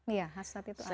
iya hasad itu apa sih